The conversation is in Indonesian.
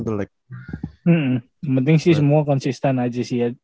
yang penting sih semua konsisten aja sih ya